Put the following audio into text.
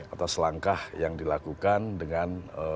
atas langkah yang dilakukan dengan